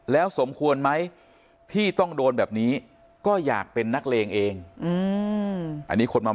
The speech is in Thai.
แล้วสมควรไหมที่ต้องโดนแบบนี้ก็อยากเป็นนักเลงเองอันนี้คนมา